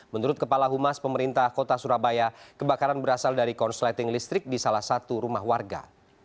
menurut kepala humas pemerintah kota surabaya kebakaran berasal dari korsleting listrik di salah satu rumah warga